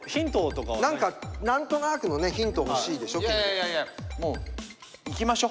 何か何となくのねヒント欲しいでしょ。